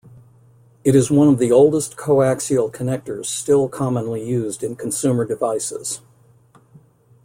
It is one of the oldest coaxial connectors still commonly used in consumer devices.